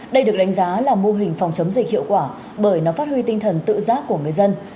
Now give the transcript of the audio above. đây được đánh giá là mô hình phòng chống dịch hiệu quả bởi nó phát huy tinh thần tự giác của người dân